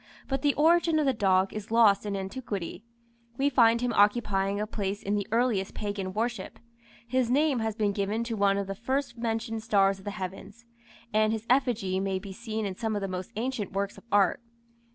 But the origin of the dog is lost in antiquity. We find him occupying a place in the earliest pagan worship; his name has been given to one of the first mentioned stars of the heavens, and his effigy may be seen in some of the most ancient works of art.